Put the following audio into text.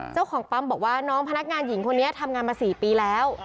เจ้าของปั๊มบอกว่าน้องพนักงานหญิงคนนี้ทำงานมา๔ปีแล้ว